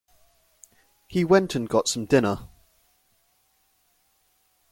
He went and got some dinner.